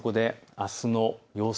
あすの予想